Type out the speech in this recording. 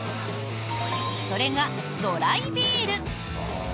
それが、ドライビール。